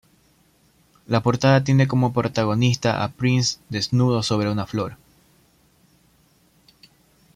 La portada tiene como protagonista a Prince desnudo sobre una flor.